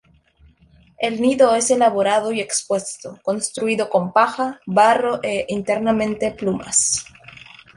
El nido es elaborado y expuesto, construido con paja, barro e, internamente, plumas.